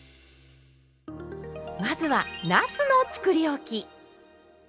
まずはなすのつくりおき。